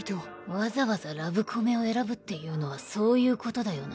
わざわざラブコメを選ぶっていうのはそういうことだよな？